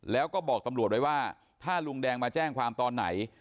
แล้วก็บอกตำรวจไว้ว่าถ้าลุงแดงมาแจ้งความตอนไหน